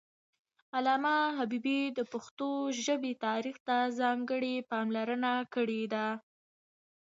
علامه حبيبي د پښتو ژبې تاریخ ته ځانګړې پاملرنه کړې ده